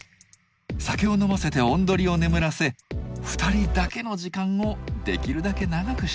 酒を飲ませておんどりを眠らせ２人だけの時間をできるだけ長くしたい。